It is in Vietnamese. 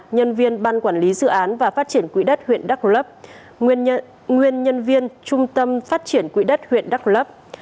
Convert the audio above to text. nhân viên ban quản lý dự án và phát triển quỹ đất huyện đắk lấp